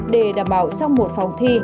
để đảm bảo trong một phòng thi